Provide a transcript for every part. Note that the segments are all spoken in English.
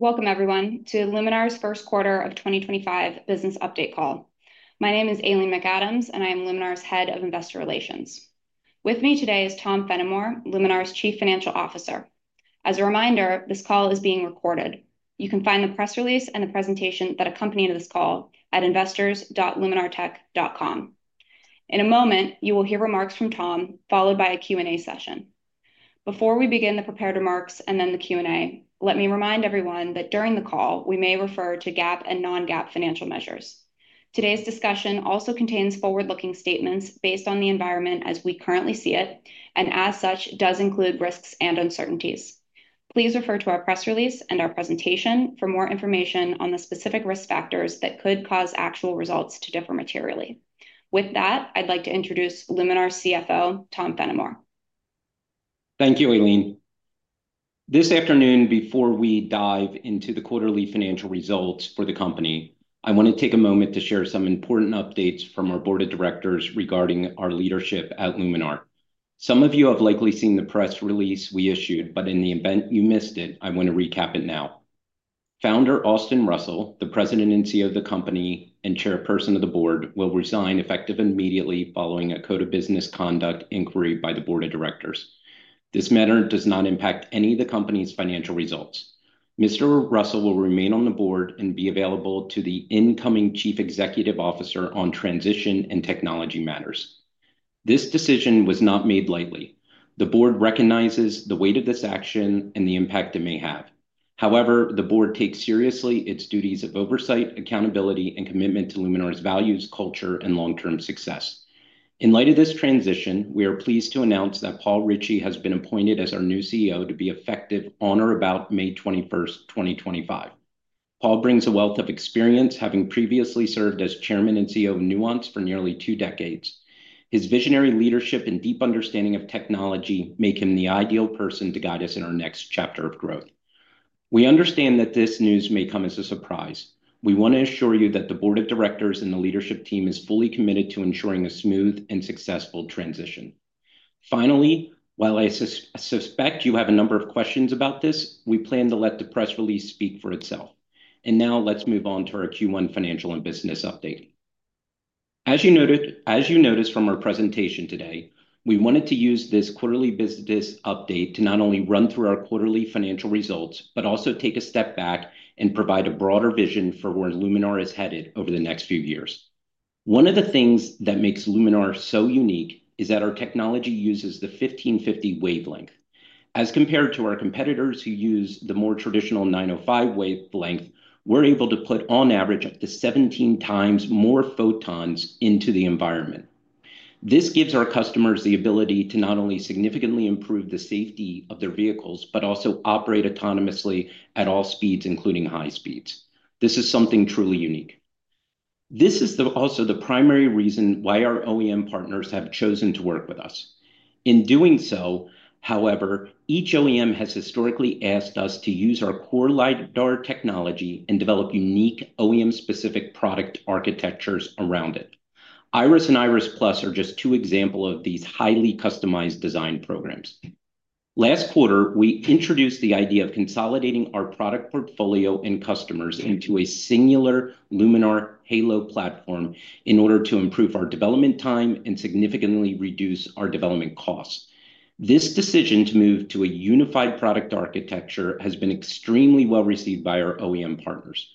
Welcome, everyone, to Luminar's first quarter of 2025 business update call. My name is Aileen McAdams, and I am Luminar's Head of Investor Relations. With me today is Tom Fennimore, Luminar's Chief Financial Officer. As a reminder, this call is being recorded. You can find the press release and the presentation that accompanied this call at investors.luminartech.com. In a moment, you will hear remarks from Tom, followed by a Q&A session. Before we begin the prepared remarks and then the Q&A, let me remind everyone that during the call, we may refer to GAAP and non-GAAP financial measures. Today's discussion also contains forward-looking statements based on the environment as we currently see it, and as such, does include risks and uncertainties. Please refer to our press release and our presentation for more information on the specific risk factors that could cause actual results to differ materially. With that, I'd like to introduce Luminar CFO Tom Fennimore. Thank you, Aileen. This afternoon, before we dive into the quarterly financial results for the company, I want to take a moment to share some important updates from our board of directors regarding our leadership at Luminar. Some of you have likely seen the press release we issued, but in the event you missed it, I want to recap it now. Founder Austin Russell, the President and CEO of the company and Chairperson of the Board, will resign effective immediately following a code of business conduct inquiry by the board of directors. This matter does not impact any of the company's financial results. Mr. Russell will remain on the board and be available to the incoming Chief Executive Officer on transition and technology matters. This decision was not made lightly. The board recognizes the weight of this action and the impact it may have. However, the board takes seriously its duties of oversight, accountability, and commitment to Luminar's values, culture, and long-term success. In light of this transition, we are pleased to announce that Paul Ricci has been appointed as our new CEO to be effective on or about May 21, 2025. Paul brings a wealth of experience, having previously served as Chairman and CEO of Nuance for nearly two decades. His visionary leadership and deep understanding of technology make him the ideal person to guide us in our next chapter of growth. We understand that this news may come as a surprise. We want to assure you that the board of directors and the leadership team is fully committed to ensuring a smooth and successful transition. Finally, while I suspect you have a number of questions about this, we plan to let the press release speak for itself. Now let's move on to our Q1 financial and business update. As you noticed from our presentation today, we wanted to use this quarterly business update to not only run through our quarterly financial results, but also take a step back and provide a broader vision for where Luminar is headed over the next few years. One of the things that makes Luminar so unique is that our technology uses the 1550 wavelength. As compared to our competitors who use the more traditional 905 wavelength, we're able to put, on average, up to 17x more photons into the environment. This gives our customers the ability to not only significantly improve the safety of their vehicles, but also operate autonomously at all speeds, including high speeds. This is something truly unique. This is also the primary reason why our OEM partners have chosen to work with us. In doing so, however, each OEM has historically asked us to use our core LiDAR technology and develop unique OEM-specific product architectures around it. Iris and Iris+ are just two examples of these highly customized design programs. Last quarter, we introduced the idea of consolidating our product portfolio and customers into a singular Luminar Halo platform in order to improve our development time and significantly reduce our development costs. This decision to move to a unified product architecture has been extremely well received by our OEM partners.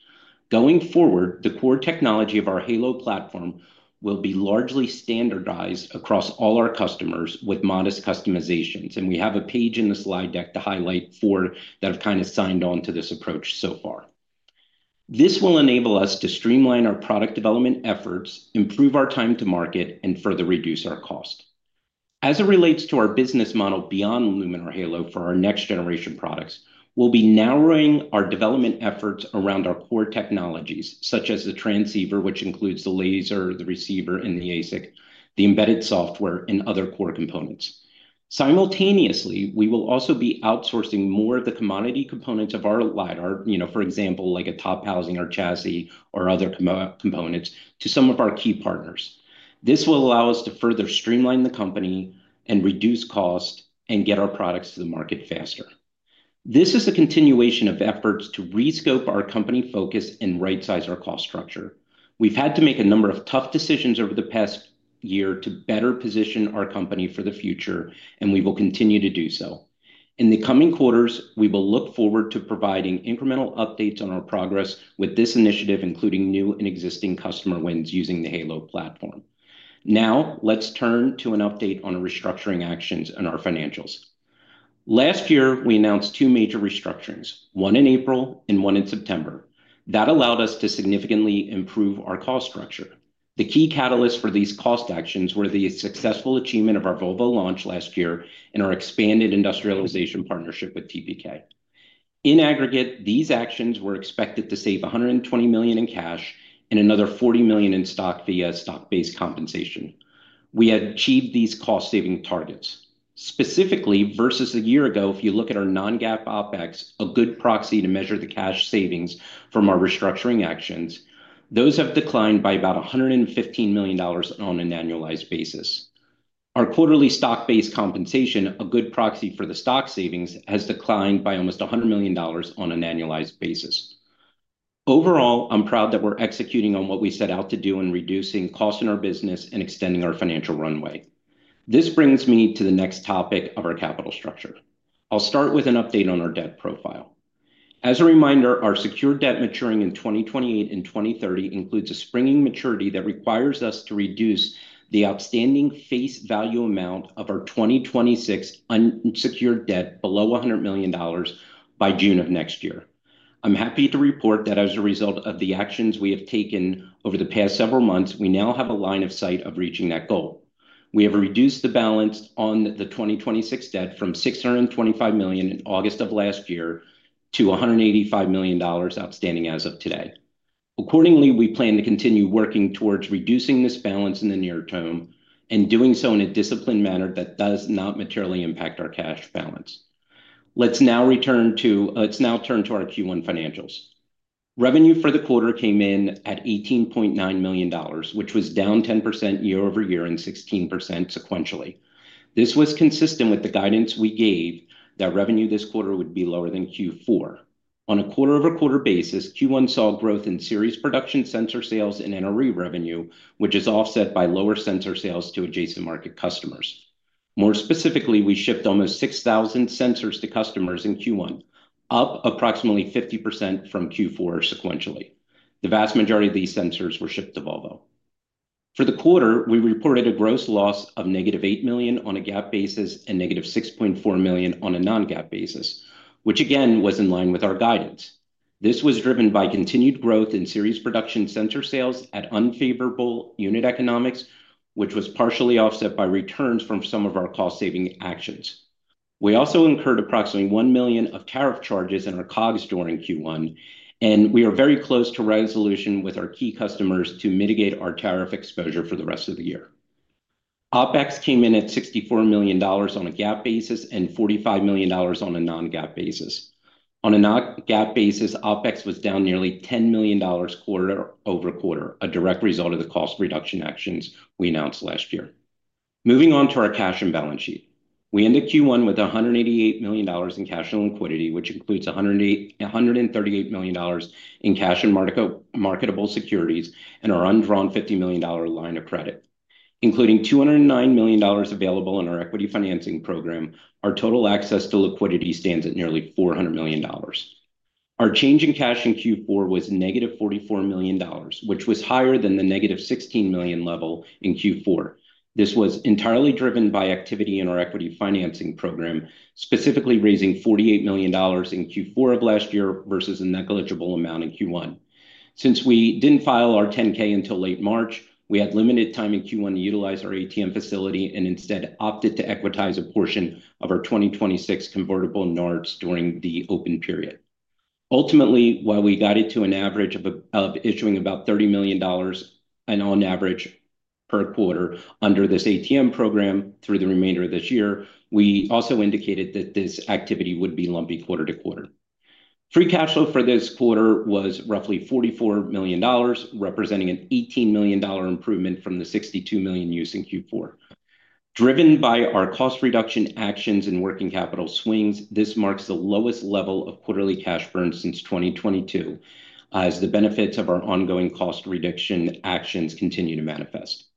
Going forward, the core technology of our Halo platform will be largely standardized across all our customers with modest customizations. We have a page in the slide deck to highlight four that have kind of signed on to this approach so far. This will enable us to streamline our product development efforts, improve our time to market, and further reduce our cost. As it relates to our business model beyond Luminar Halo for our next generation products, we'll be narrowing our development efforts around our core technologies, such as the transceiver, which includes the laser, the receiver, and the ASIC, the embedded software, and other core components. Simultaneously, we will also be outsourcing more of the commodity components of our LiDAR, for example, like a top housing or chassis or other components, to some of our key partners. This will allow us to further streamline the company and reduce costs and get our products to the market faster. This is a continuation of efforts to re-scope our company focus and right-size our cost structure. We've had to make a number of tough decisions over the past year to better position our company for the future, and we will continue to do so. In the coming quarters, we will look forward to providing incremental updates on our progress with this initiative, including new and existing customer wins using the Halo platform. Now, let's turn to an update on restructuring actions in our financials. Last year, we announced two major restructurings, one in April and one in September. That allowed us to significantly improve our cost structure. The key catalysts for these cost actions were the successful achievement of our Volvo launch last year and our expanded industrialization partnership with TPK. In aggregate, these actions were expected to save $120 million in cash and another $40 million in stock via stock-based compensation. We had achieved these cost-saving targets. Specifically, versus a year ago, if you look at our non-GAAP OpEx, a good proxy to measure the cash savings from our restructuring actions, those have declined by about $115 million on an annualized basis. Our quarterly stock-based compensation, a good proxy for the stock savings, has declined by almost $100 million on an annualized basis. Overall, I'm proud that we're executing on what we set out to do in reducing costs in our business and extending our financial runway. This brings me to the next topic of our capital structure. I'll start with an update on our debt profile. As a reminder, our secured debt maturing in 2028 and 2030 includes a springing maturity that requires us to reduce the outstanding face value amount of our 2026 unsecured debt below $100 million by June of next year. I'm happy to report that as a result of the actions we have taken over the past several months, we now have a line of sight of reaching that goal. We have reduced the balance on the 2026 debt from $625 million in August of last year to $185 million outstanding as of today. Accordingly, we plan to continue working towards reducing this balance in the near term and doing so in a disciplined manner that does not materially impact our cash balance. Let's now return to our Q1 financials. Revenue for the quarter came in at $18.9 million, which was down 10% year-over-year and 16% sequentially. This was consistent with the guidance we gave that revenue this quarter would be lower than Q4. On a quarter-over-quarter basis, Q1 saw growth in series production sensor sales and NRE revenue, which is offset by lower sensor sales to adjacent market customers. More specifically, we shipped almost 6,000 sensors to customers in Q1, up approximately 50% from Q4 sequentially. The vast majority of these sensors were shipped to Volvo. For the quarter, we reported a gross loss of -$8 million on a GAAP basis and -$6.4 million on a non-GAAP basis, which again was in line with our guidance. This was driven by continued growth in series production sensor sales at unfavorable unit economics, which was partially offset by returns from some of our cost-saving actions. We also incurred approximately $1 million of tariff charges in our COGS during Q1, and we are very close to resolution with our key customers to mitigate our tariff exposure for the rest of the year. OpEx came in at $64 million on a GAAP basis and $45 million on a non-GAAP basis. On a non-GAAP basis, OpEx was down nearly $10 million quarter-over-quarter, a direct result of the cost reduction actions we announced last year. Moving on to our cash and balance sheet, we ended Q1 with $188 million in cash and liquidity, which includes $138 million in cash and marketable securities and our undrawn $50 million line of credit. Including $209 million available in our equity financing program, our total access to liquidity stands at nearly $400 million. Our change in cash in Q1 was - $44 million, which was higher than the -$16 million level in Q4. This was entirely driven by activity in our equity financing program, specifically raising $48 million in Q4 of last year versus a negligible amount in Q1. Since we did not file our 10-K until late March, we had limited time in Q1 to utilize our ATM facility and instead opted to equitize a portion of our 2026 convertible notes during the open period. Ultimately, while we got it to an average of issuing about $30 million on average per quarter under this ATM program through the remainder of this year, we also indicated that this activity would be lumpy quarter to quarter. Free cash flow for this quarter was roughly $44 million, representing an $18 million improvement from the $62 million used in Q4. Driven by our cost reduction actions and working capital swings, this marks the lowest level of quarterly cash burn since 2022 as the benefits of our ongoing cost reduction actions continue to manifest.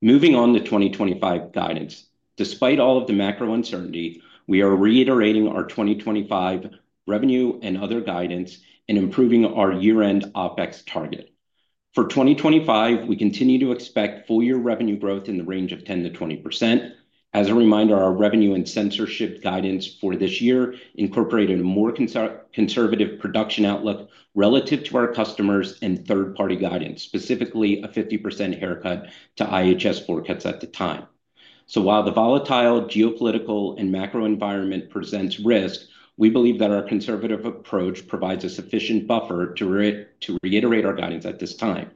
Moving on to 2025 guidance, despite all of the macro uncertainty, we are reiterating our 2025 revenue and other guidance and improving our year-end OpEx target. For 2025, we continue to expect full-year revenue growth in the range of 10%-20%. As a reminder, our revenue and sensor shipment guidance for this year incorporated a more conservative production outlook relative to our customers and third-party guidance, specifically a 50% haircut to IHS forecasts at the time. While the volatile geopolitical and macro environment presents risk, we believe that our conservative approach provides a sufficient buffer to reiterate our guidance at this time.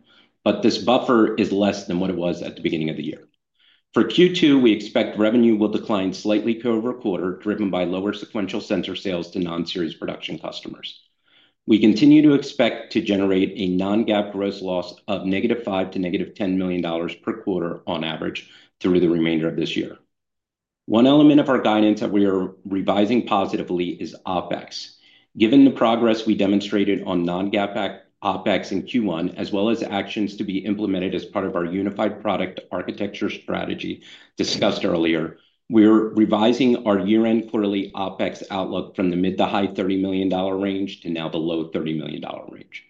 This buffer is less than what it was at the beginning of the year. For Q2, we expect revenue will decline slightly quarter-over-quarter, driven by lower sequential sensor sales to non-series production customers. We continue to expect to generate a non-GAAP gross loss of -$5 million to -$10 million per quarter on average through the remainder of this year. One element of our guidance that we are revising positively is OpEx. Given the progress we demonstrated on non-GAAP OpEx in Q1, as well as actions to be implemented as part of our unified product architecture strategy discussed earlier, we're revising our year-end quarterly OpEx outlook from the mid- to high $30 million range to now the low $30 million range.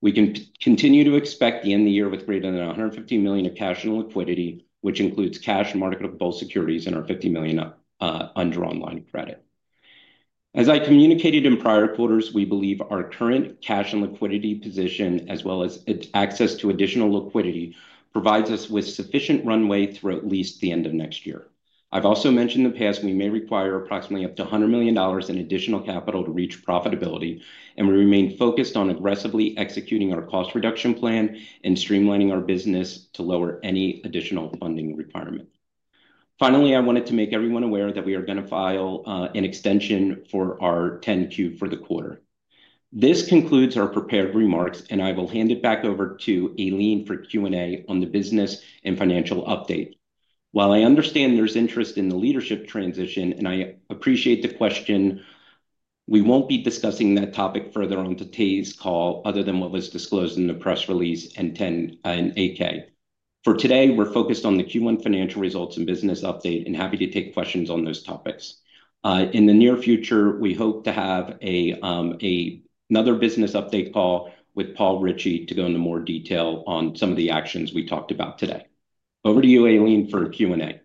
We can continue to expect the end of the year with greater than $150 million of cash and liquidity, which includes cash and marketable securities and our $50 million undrawn line of credit. As I communicated in prior quarters, we believe our current cash and liquidity position, as well as access to additional liquidity, provides us with sufficient runway through at least the end of next year. I've also mentioned in the past we may require approximately up to $100 million in additional capital to reach profitability, and we remain focused on aggressively executing our cost reduction plan and streamlining our business to lower any additional funding requirement. Finally, I wanted to make everyone aware that we are going to file an extension for our 10-Q for the quarter. This concludes our prepared remarks, and I will hand it back over to Aileen for Q&A on the business and financial update. While I understand there's interest in the leadership transition, and I appreciate the question, we won't be discussing that topic further on today's call other than what was disclosed in the press release and 8-K. For today, we're focused on the Q1 financial results and business update and happy to take questions on those topics. In the near future, we hope to have another business update call with Paul Ricci to go into more detail on some of the actions we talked about today. Over to you, Aileen, for Q&A.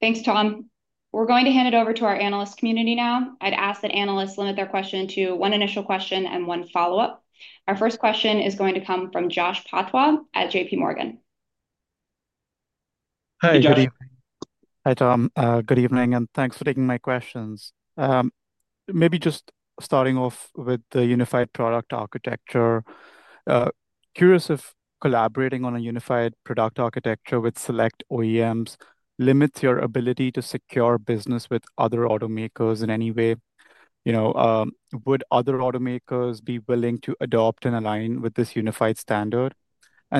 Thanks, Tom. We're going to hand it over to our analyst community now. I'd ask that analysts limit their question to one initial question and one follow-up. Our first question is going to come from Jash Patwa at JPMorgan. Hi Jash, good evening. Hi, Tom. Good evening, and thanks for taking my questions. Maybe just starting off with the unified product architecture, curious if collaborating on a unified product architecture with select OEMs limits your ability to secure business with other automakers in any way. Would other automakers be willing to adopt and align with this unified standard?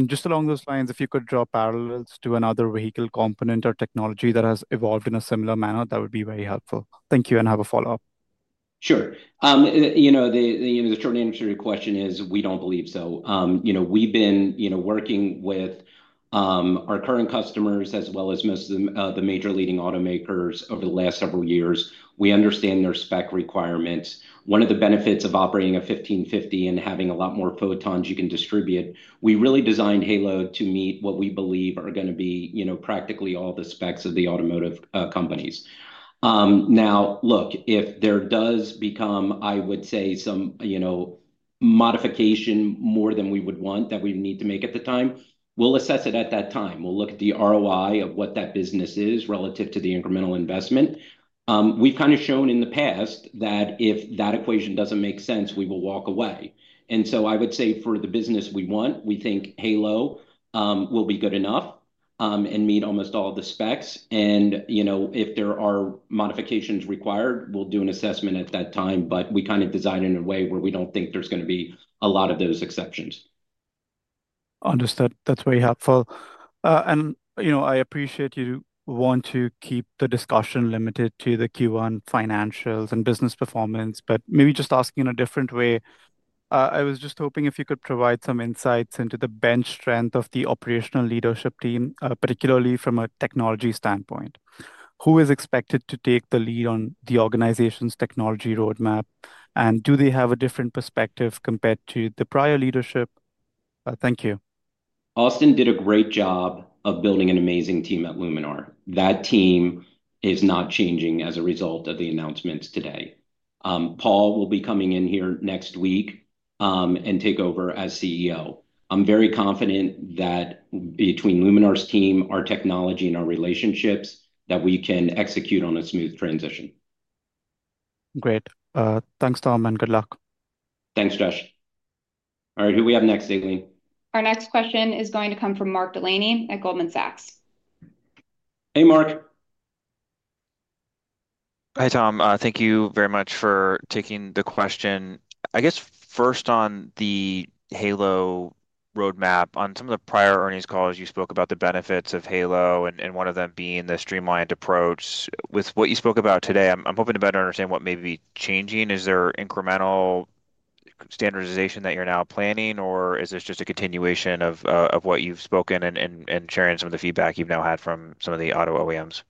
Just along those lines, if you could draw parallels to another vehicle component or technology that has evolved in a similar manner, that would be very helpful. Thank you and have a follow-up. Sure. You know, the short answer to your question is we do not believe so. We have been working with our current customers as well as most of the major leading automakers over the last several years. We understand their spec requirements. One of the benefits of operating a 1550 and having a lot more photons you can distribute, we really designed Halo to meet what we believe are going to be practically all the specs of the automotive companies. Now, look, if there does become, I would say, some modification more than we would want that we need to make at the time, we'll assess it at that time. We'll look at the ROI of what that business is relative to the incremental investment. We've kind of shown in the past that if that equation doesn't make sense, we will walk away. I would say for the business we want, we think Halo will be good enough and meet almost all the specs. If there are modifications required, we'll do an assessment at that time, but we kind of design it in a way where we do not think there is going to be a lot of those exceptions. Understood. That is very helpful. I appreciate you want to keep the discussion limited to the Q1 financials and business performance, but maybe just asking in a different way. I was just hoping if you could provide some insights into the bench strength of the operational leadership team, particularly from a technology standpoint. Who is expected to take the lead on the organization's technology roadmap, and do they have a different perspective compared to the prior leadership? Thank you. Austin did a great job of building an amazing team at Luminar. That team is not changing as a result of the announcements today. Paul will be coming in here next week and take over as CEO. I'm very confident that between Luminar's team, our technology, and our relationships that we can execute on a smooth transition. Great. Thanks, Tom, and good luck. Thanks, Jash. All right, who do we have next, Aileen? Our next question is going to come from Mark Delaney at Goldman Sachs. Hey, Mark. Hi, Tom. Thank you very much for taking the question. I guess first on the Halo roadmap, on some of the prior earnings calls, you spoke about the benefits of Halo and one of them being the streamlined approach. With what you spoke about today, I'm hoping to better understand what may be changing. Is there incremental standardization that you're now planning, or is this just a continuation of what you've spoken and sharing some of the feedback you've now had from some of the auto OEMs?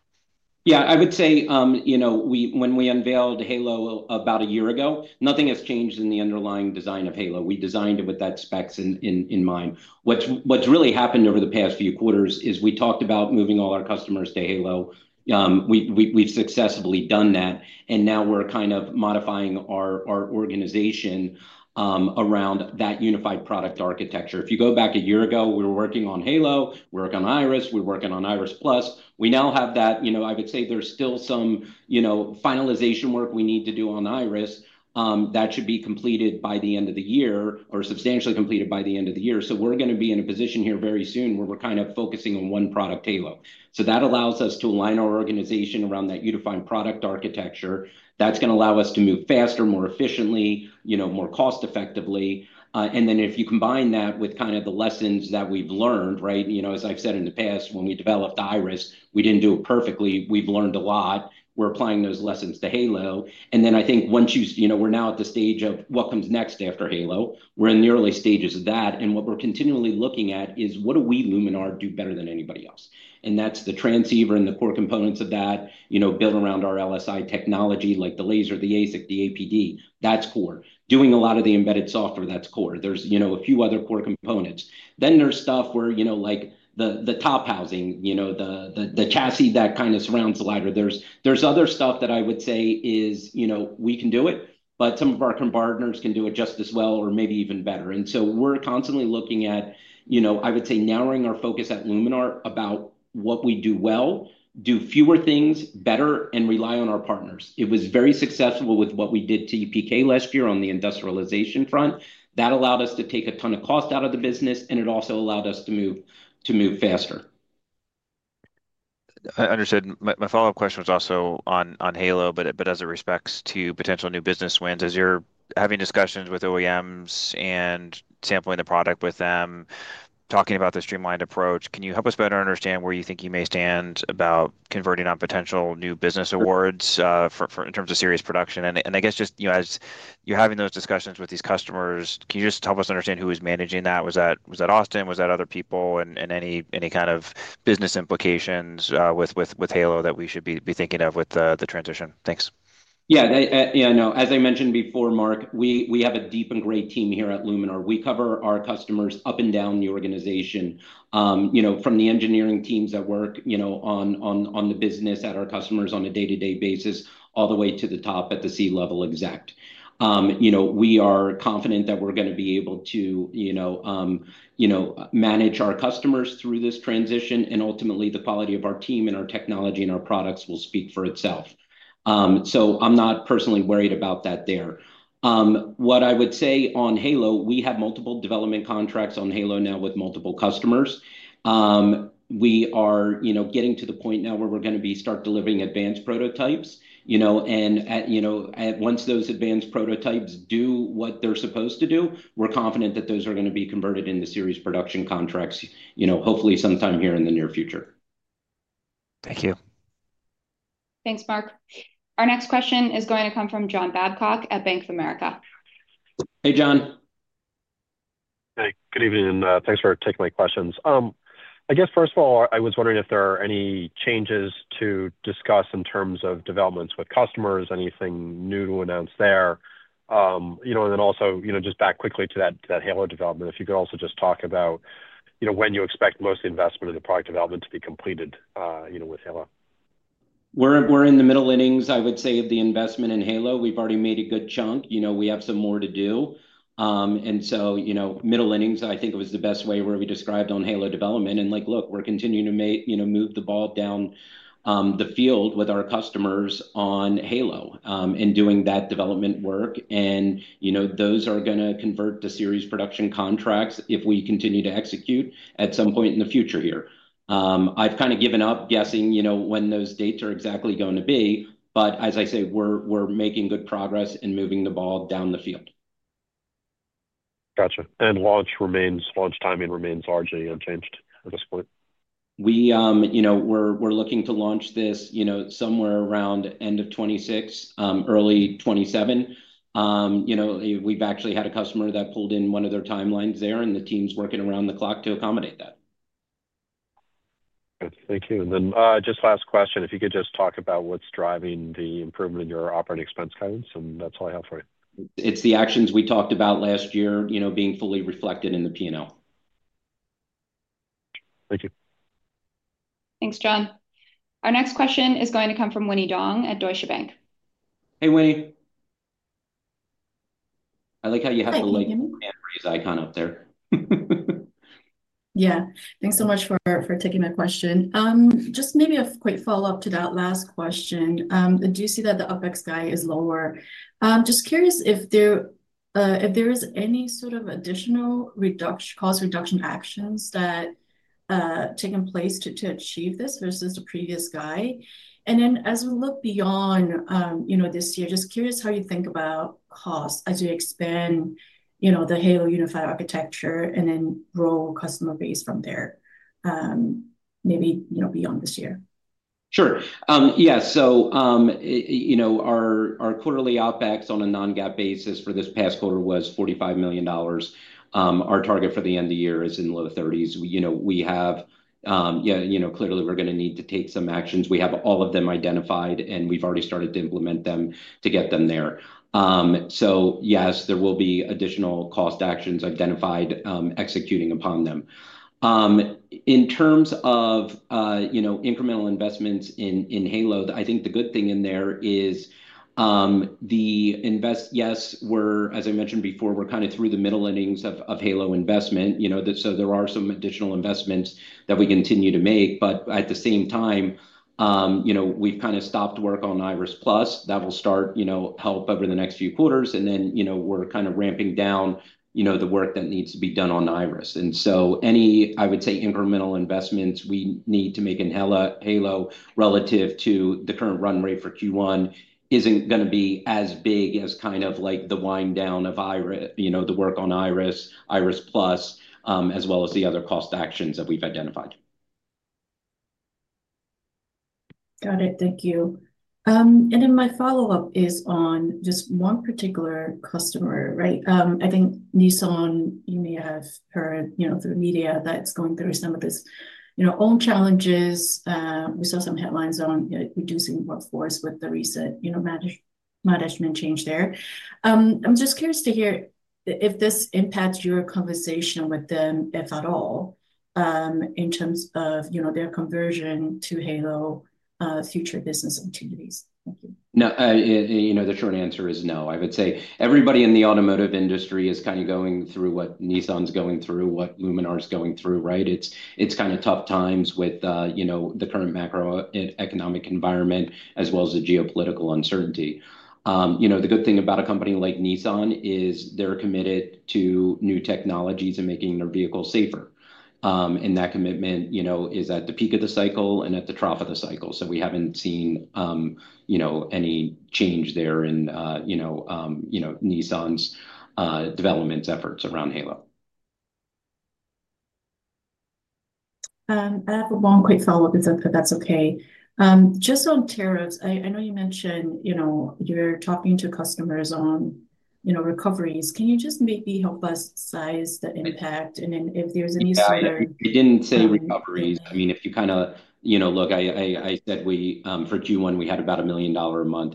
Yeah, I would say when we unveiled Halo about a year ago, nothing has changed in the underlying design of Halo. We designed it with that specs in mind. What's really happened over the past few quarters is we talked about moving all our customers to Halo. We've successfully done that, and now we're kind of modifying our organization around that unified product architecture. If you go back a year ago, we were working on Halo, we were working on Iris, we were working on Iris+. We now have that. I would say there's still some finalization work we need to do on Iris that should be completed by the end of the year or substantially completed by the end of the year. We're going to be in a position here very soon where we're kind of focusing on one product, Halo. That allows us to align our organization around that unified product architecture. That's going to allow us to move faster, more efficiently, more cost-effectively. If you combine that with kind of the lessons that we've learned, as I've said in the past, when we developed Iris, we didn't do it perfectly. We've learned a lot. We're applying those lessons to Halo. I think once you're now at the stage of what comes next after Halo, we're in the early stages of that. What we're continually looking at is what do we at Luminar do better than anybody else? That's the transceiver and the core components of that built around our LSI technology, like the laser, the ASIC, the APD. That's core. Doing a lot of the embedded software, that's core. There are a few other core components. There is stuff where, like the top housing, the chassis that kind of surrounds the LiDAR. There is other stuff that I would say we can do, but some of our partners can do it just as well or maybe even better. We are constantly looking at, I would say, narrowing our focus at Luminar about what we do well, do fewer things better, and rely on our partners. It was very successful with what we did to TPK last year on the industrialization front. That allowed us to take a ton of cost out of the business, and it also allowed us to move faster. I understood. My follow-up question was also on Halo, but as it respects to potential new business wins, as you're having discussions with OEMs and sampling the product with them, talking about the streamlined approach, can you help us better understand where you think you may stand about converting on potential new business awards in terms of series production? I guess just as you're having those discussions with these customers, can you just help us understand who is managing that? Was that Austin? Was that other people and any kind of business implications with Halo that we should be thinking of with the transition? Thanks. Yeah, yeah, no. As I mentioned before, Mark, we have a deep and great team here at Luminar. We cover our customers up and down the organization from the engineering teams that work on the business at our customers on a day-to-day basis all the way to the top at the C-level exec. We are confident that we're going to be able to manage our customers through this transition, and ultimately, the quality of our team and our technology and our products will speak for itself. I'm not personally worried about that there. What I would say on Halo, we have multiple development contracts on Halo now with multiple customers. We are getting to the point now where we're going to start delivering advanced prototypes. Once those advanced prototypes do what they're supposed to do, we're confident that those are going to be converted into series production contracts, hopefully sometime here in the near future. Thank you. Thanks, Mark. Our next question is going to come from John Babcock at Bank of America. Hey, John. Hey, good evening, and thanks for taking my questions. I guess, first of all, I was wondering if there are any changes to discuss in terms of developments with customers, anything new to announce there. Also, just back quickly to that Halo development, if you could also just talk about when you expect most investment in the product development to be completed with Halo. We're in the middle innings, I would say, of the investment in Halo. We've already made a good chunk. We have some more to do. Middle innings, I think, is the best way we described on Halo development. Look, we're continuing to move the ball down the field with our customers on Halo and doing that development work. Those are going to convert to series production contracts if we continue to execute at some point in the future here. I have kind of given up guessing when those dates are exactly going to be, but as I say, we are making good progress and moving the ball down the field. Gotcha. Launch timing remains largely unchanged at this point? We are looking to launch this somewhere around end of 2026, early 2027. We have actually had a customer that pulled in one of their timelines there, and the team's working around the clock to accommodate that. Thank you. Just last question, if you could just talk about what is driving the improvement in your operating expense guidance, and that is all I have for you. It is the actions we talked about last year being fully reflected in the P&L. Thank you. Thanks, John. Our next question is going to come from Winnie Dong at Deutsche Bank. Hey, Winnie. I like how you have the little hand raise icon up there. Yeah. Thanks so much for taking my question. Just maybe a quick follow-up to that last question. I do see that the OpEx guide is lower. Just curious if there is any sort of additional cost reduction actions that have taken place to achieve this versus the previous guide. As we look beyond this year, just curious how you think about costs as you expand the Halo unified architecture and then grow customer base from there, maybe beyond this year. Sure. Yeah. Our quarterly OpEx on a non-GAAP basis for this past quarter was $45 million. Our target for the end of the year is in the low $30 million range. We have clearly, we're going to need to take some actions. We have all of them identified, and we've already started to implement them to get them there. Yes, there will be additional cost actions identified, executing upon them. In terms of incremental investments in Halo, I think the good thing in there is the invest, yes, as I mentioned before, we're kind of through the middle innings of Halo investment. There are some additional investments that we continue to make, but at the same time, we've kind of stopped work on Iris+. That will start to help over the next few quarters, and then we're kind of ramping down the work that needs to be done on Iris. Any incremental investments we need to make in Halo relative to the current run rate for Q1 are not going to be as big as the wind down of the work on Iris, Iris+, as well as the other cost actions that we have identified. Got it. Thank you. My follow-up is on just one particular customer, right? I think Nissan, you may have heard through the media, is going through some of its own challenges. We saw some headlines on reducing workforce with the recent management change there. I am just curious to hear if this impacts your conversation with them, if at all, in terms of their conversion to Halo future business opportunities. Thank you. No, the short answer is no. I would say everybody in the automotive industry is kind of going through what Nissan's going through, what Luminar's going through, right? It's kind of tough times with the current macroeconomic environment as well as the geopolitical uncertainty. The good thing about a company like Nissan is they're committed to new technologies and making their vehicles safer. That commitment is at the peak of the cycle and at the trough of the cycle. We haven't seen any change there in Nissan's development efforts around Halo. I have one quick follow-up, if that's okay. Just on tariffs, I know you mentioned you're talking to customers on recoveries. Can you just maybe help us size the impact? If there's any sort of. We didn't say recoveries. I mean, if you kind of look, I said for Q1, we had about $1 million a month,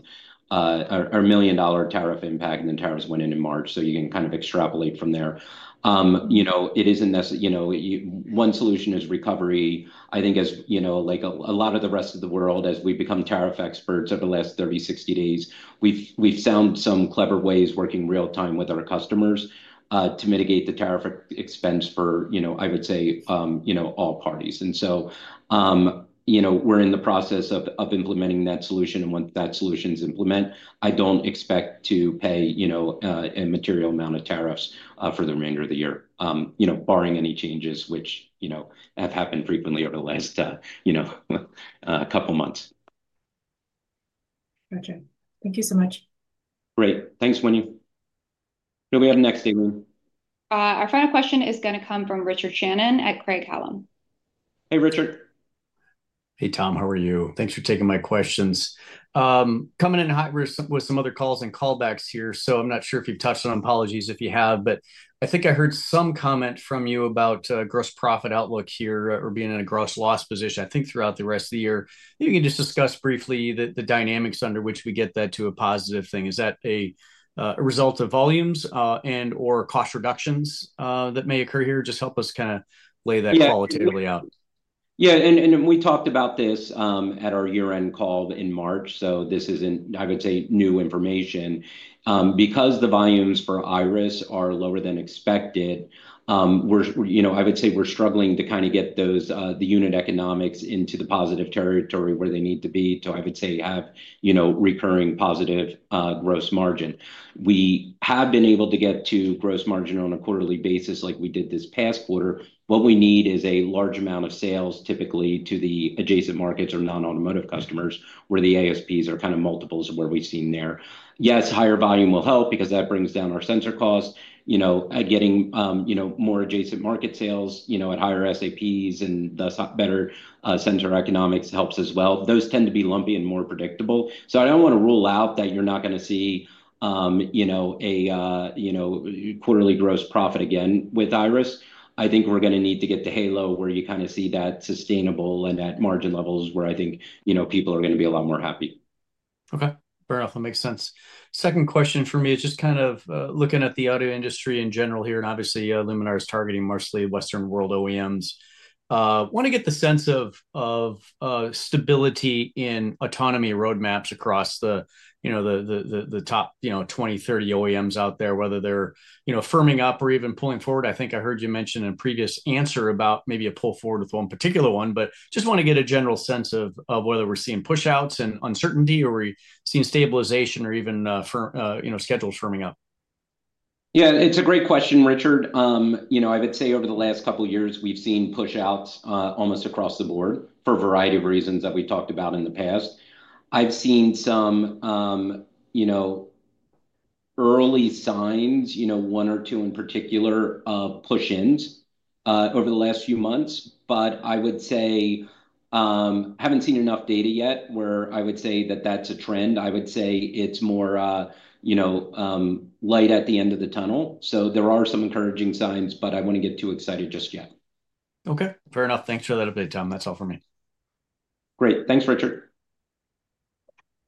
$1 million tariff impact, and then tariffs went in in March. You can kind of extrapolate from there. It isn't necessarily one solution is recovery. I think as a lot of the rest of the world, as we become tariff experts over the last 30-60 days, we've found some clever ways working real-time with our customers to mitigate the tariff expense for, I would say, all parties. We are in the process of implementing that solution. Once that solution's implemented, I don't expect to pay a material amount of tariffs for the remainder of the year, barring any changes which have happened frequently over the last couple of months. Gotcha. Thank you so much. Great. Thanks, Winnie. Do we have next, Aileen? Our final question is going to come from Richard Shannon at Craig-Hallum. Hey, Richard. Hey, Tom. How are you? Thanks for taking my questions. Coming in hot with some other calls and callbacks here. I am not sure if you have touched on, apologies if you have, but I think I heard some comment from you about gross profit outlook here or being in a gross loss position. I think throughout the rest of the year, maybe you can just discuss briefly the dynamics under which we get that to a positive thing. Is that a result of volumes and/or cost reductions that may occur here? Just help us kind of lay that qualitatively out. Yeah. We talked about this at our year-end call in March. This is not, I would say, new information. Because the volumes for Iris are lower than expected, I would say we're struggling to kind of get the unit economics into the positive territory where they need to be to, I would say, have recurring positive gross margin. We have been able to get to gross margin on a quarterly basis like we did this past quarter. What we need is a large amount of sales typically to the adjacent markets or non-automotive customers where the ASPs are kind of multiples of where we've seen there. Yes, higher volume will help because that brings down our sensor costs. Getting more adjacent market sales at higher ASPs and thus better sensor economics helps as well. Those tend to be lumpy and more predictable. I don't want to rule out that you're not going to see a quarterly gross profit again with Iris. I think we're going to need to get to Halo where you kind of see that sustainable and at margin levels where I think people are going to be a lot more happy. Okay. Fair enough. That makes sense. Second question for me is just kind of looking at the auto industry in general here, and obviously, Luminar is targeting mostly Western world OEMs. I want to get the sense of stability in autonomy roadmaps across the top 20-30 OEMs out there, whether they're firming up or even pulling forward. I think I heard you mention in a previous answer about maybe a pull forward with one particular one, but just want to get a general sense of whether we're seeing push-outs and uncertainty or we're seeing stabilization or even schedules firming up. Yeah. It's a great question, Richard. I would say over the last couple of years, we've seen push-outs almost across the board for a variety of reasons that we talked about in the past. I've seen some early signs, one or two in particular, of push-ins over the last few months, but I would say I haven't seen enough data yet where I would say that that's a trend. I would say it's more light at the end of the tunnel. There are some encouraging signs, but I wouldn't get too excited just yet. Okay. Fair enough. Thanks for that update, Tom. That's all for me. Great. Thanks, Richard.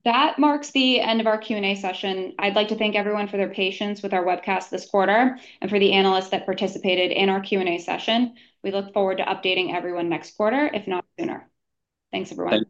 That marks the end of our Q&A session. I'd like to thank everyone for their patience with our webcast this quarter and for the analysts that participated in our Q&A session. We look forward to updating everyone next quarter, if not sooner. Thanks, everyone.